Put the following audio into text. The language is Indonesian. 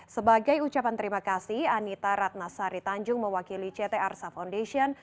sebagai ucapan terima kasih anita ratnasari tanjung mewakili ct arsa foundation